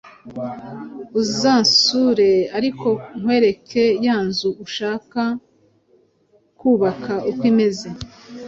Uzansure ariko nkwereke ya nzu nshaka kubaka uko imeze.